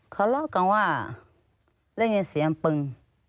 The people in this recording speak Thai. เขาเล่ากันว่าได้ยินเสียงปึง